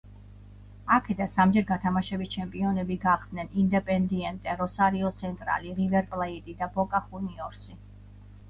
აქედან სამჯერ გათამაშების ჩემპიონები გახდნენ „ინდეპენდიენტე“, „როსარიო სენტრალი“, „რივერ პლეიტი“ და „ბოკა ხუნიორსი“.